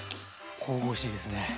神々しいですね！